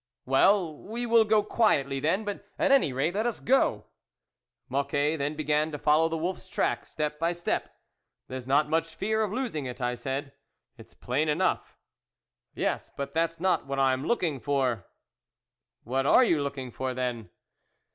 " Well, we will go quietly, then'; but at any rate, let us go !" Mocquet then began to follow the wolfs track, step by step. " There's not much fear of losing it," I said. " It's plain enough." " Yes, but that's not what I am looking for." " What are you looking for, then